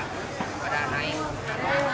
gini kalau misalkan bikin sayur